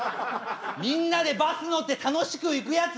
みんなでバス乗って楽しく行くやつ！